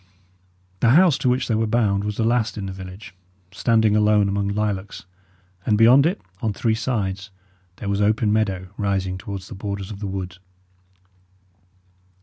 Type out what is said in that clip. The house to which they were bound was the last in the village, standing alone among lilacs; and beyond it, on three sides, there was open meadow rising towards the borders of the wood.